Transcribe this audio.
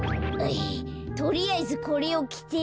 とりあえずこれをきて。